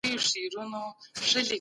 که ماشوم تمرين وکړي دا تعليم پياوړی کوي.